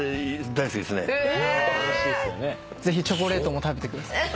ぜひチョコレートも食べてください。